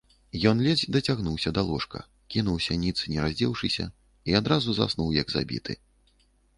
Ён ледзь дацягнуўся да ложка, кінуўся ніц, не раздзеўшыся, і адразу заснуў як забіты.